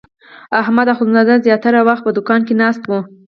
احمد اخوندزاده زیاتره وخت په دوکان کې ناست و.